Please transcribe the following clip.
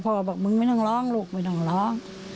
บอกมึงไม่ต้องร้องลูกไม่ต้องร้อง